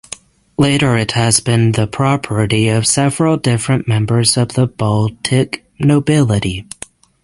Later it has been the property of several different members of the Baltic nobility.